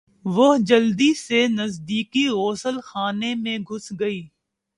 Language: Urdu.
وہ جلدی سے نزدیکی غسل خانے میں گھس گئی۔